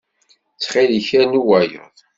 Ttxil-k, rnu wayeḍ.